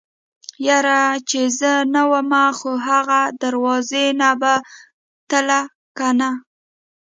يره چې زه نه ومه خو اغه دروازې نه به تله کنه.